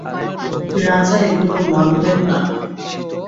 রাজা এগুলো মানবেন না।